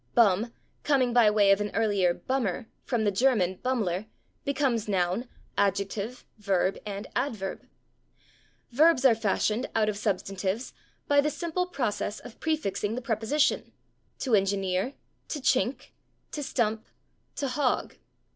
/Bum/, coming by way of an earlier /bummer/ from the German /bummler/, becomes noun, adjective, verb and adverb. Verbs are fashioned out of substantives by the simple process of prefixing the preposition: /to engineer/, /to chink/, /to stump/, /to hog